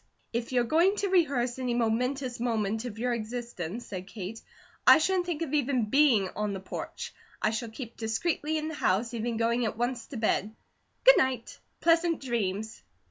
"If you're going to rehearse any momentous moment of your existence," said Kate, "I shouldn't think of even being on the porch. I shall keep discreetly in the house, even going at once to bed. Good night! Pleasant dreams!"